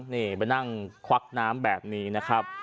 พี่น้องงดควักน้ำแบบนี้นะครับ